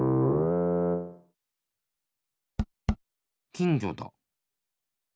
きんぎょだ！